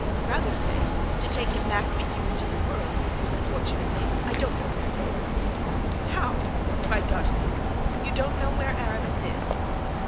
"Rather say, to take him back with you into the world. Fortunately, I don't know where he is." "How!" cried D'Artagnan; "you don't know where Aramis is?"